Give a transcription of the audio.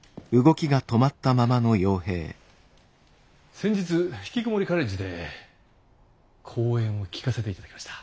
先日ひきこもりカレッジで講演を聴かせていただきました。